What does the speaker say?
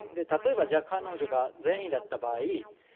例えば彼女が善意だった場合